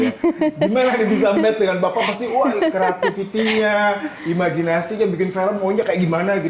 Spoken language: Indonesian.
gimana nih bisa match dengan bapak pasti wah kreatifitinya imajinasi nya bikin vellang maunya kayak gimana gitu